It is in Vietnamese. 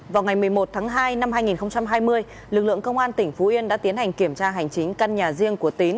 vào ngày một mươi một tháng hai năm hai nghìn hai mươi lực lượng công an tỉnh phú yên đã tiến hành kiểm tra hành chính căn nhà riêng của tín